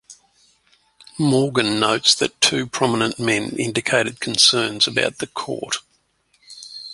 Morgan notes that two prominent men indicated concerns about the Court.